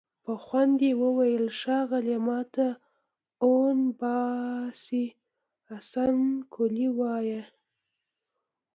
په خوند يې وويل: ښاغليه! ماته اون باشي حسن قلي وايه!